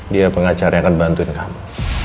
dia pengacara yang akan bantuin kamu